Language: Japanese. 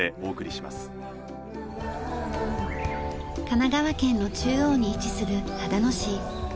神奈川県の中央に位置する秦野市。